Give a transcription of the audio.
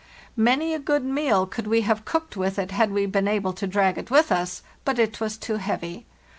Many a good meal could we have cooked with it had we been able to drag it with us, but it was too heavy.